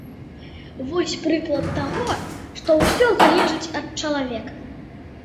Вось прыклад таго, што ўсё залежыць ад чалавека.